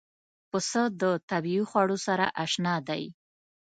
پسه د طبیعي خوړو سره اشنا دی.